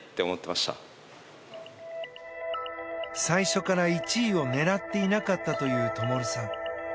最初から１位を狙っていなかったという灯さん。